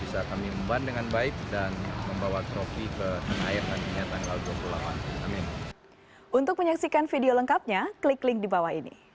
bisa kami memban dengan baik dan membawa trofi ke piala aff tanggal dua puluh delapan